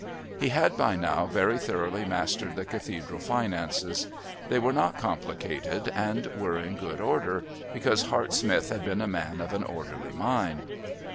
He had, by now, very thoroughly mastered the Cathedral finances. They were not complicated and were in good order, because Hart Smith had been a man of an orderly mind.